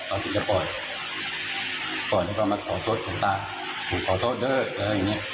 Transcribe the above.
ก่อนที่จะปล่อยปล่อยแล้วก็มาขอโทษคุณตาผมขอโทษเด้ออะไรอย่างเงี้ย